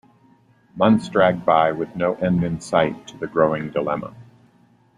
Months dragged by with no end in sight to the growing dilemma.